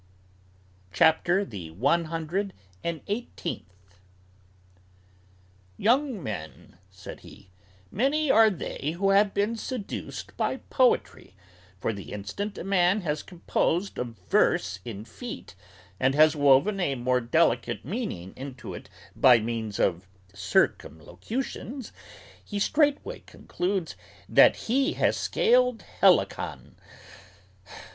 } CHAPTER THE ONE HUNDRED AND EIGHTEENTH. "Young men," said he, "many are they who have been seduced by poetry; for, the instant a man has composed a verse in feet, and has woven a more delicate meaning into it by means of circumlocutions, he straightway concludes that he has scaled Helicon!